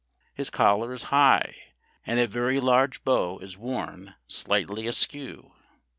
His collar is high, and a very large bow is worn slightly askew.